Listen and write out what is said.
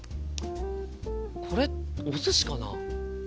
これお寿司かな？